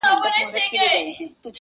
هر حیوان چي به لیدی ورته حیران وو -